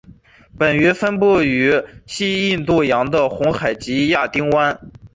本鱼分布于西印度洋的红海及亚丁湾。